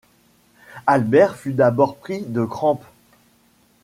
Albert fut d'abord pris de crampes.